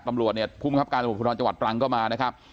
ตำรวจผู้มีความรับการสมบูรณาจังหวัดปรังก็มานะครับ